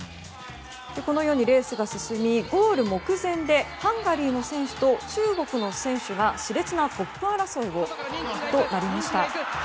このようにレースが進みゴール目前でハンガリーの選手と中国の選手が熾烈なトップ争いとなりました。